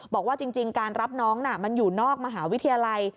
บอกว่าจริงการรับน้องน่ะมันอยู่นอกมหาวิทยาลัย